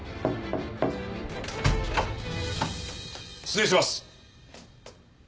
失礼します。